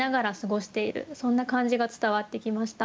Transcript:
そんな感じが伝わってきました。